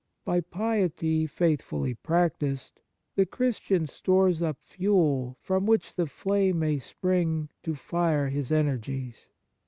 By piety faithfully practised, the Christian stores up fuel from which the name may spring to fire his energies.